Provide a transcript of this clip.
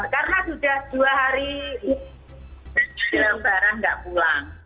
karena sudah dua hari lebaran nggak pulang